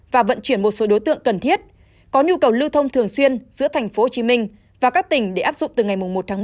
và vận chuyển một số đối tượng cần thiết có nhu cầu lưu thông thường xuyên giữa tp hcm và các tỉnh để áp dụng từ ngày một một mươi